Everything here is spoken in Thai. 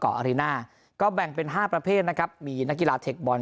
อารีน่าก็แบ่งเป็น๕ประเภทนะครับมีนักกีฬาเทคบอล